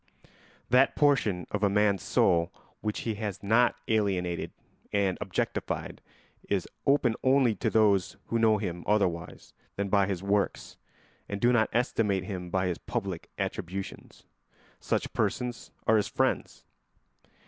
That portion of a man's soul which he has not alienated and objectified is open only to those who know him otherwise than by his works and do not estimate him by his public attributions. Such persons are his friends.